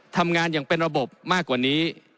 ทำงานอย่างเป็นระบบมากกว่านี้